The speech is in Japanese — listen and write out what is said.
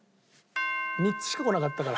３つしかこなかったから。